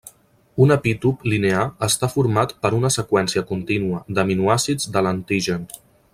Un epítop linear està format per una seqüència contínua d’aminoàcids de l’antigen.